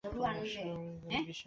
সেই বিশ্বাস থেকেই আমি এগোব।